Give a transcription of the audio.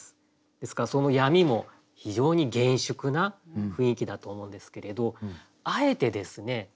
ですからその闇も非常に厳粛な雰囲気だと思うんですけれどあえてですね